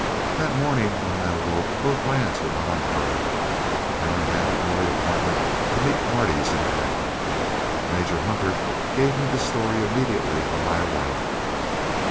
That morning when I awoke both lads were out on herd, and I had an early appointment to meet parties in town. Major Hunter gave me the story immediately on my arrival.